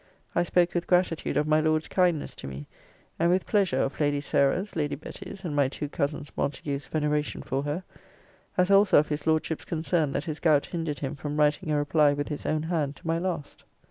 I spoke with gratitude of my Lord's kindness to me; and with pleasure of Lady Sarah's, Lady Betty's, and my two cousins Montague's veneration for her: as also of his Lordship's concern that his gout hindered him from writing a reply with his own hand to my last.